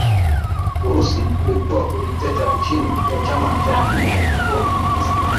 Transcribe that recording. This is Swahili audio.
Urusi ilikuwa udikteta chini ya chama cha kikomunisti